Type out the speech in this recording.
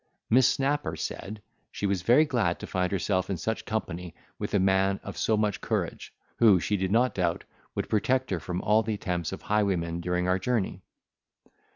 Miss Snapper said, she was very glad to find herself in company with a man of so much courage, who, she did not doubt, would protect her from all the attempts of highwaymen during our journey.